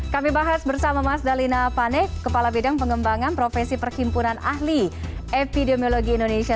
kami bahas bersama mas dalina pane kepala bidang pengembangan profesi perkimpunan ahli epidemiologi indonesia